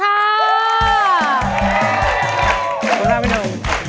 ขอลาไปหน่อย